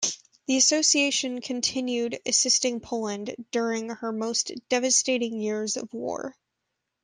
The Association continued assisting Poland during her most devastating years of war.